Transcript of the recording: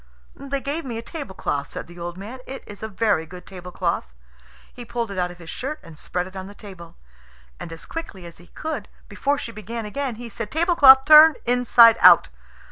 "They gave me a tablecloth," said the old man; "it's a very good tablecloth." He pulled it out of his shirt and spread it on the table; and as quickly as he could, before she began again, he said, "Tablecloth, turn inside out!"